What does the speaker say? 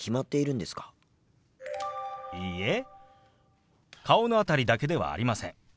いいえ顔の辺りだけではありません。